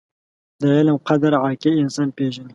• د علم قدر، عاقل انسان پېژني.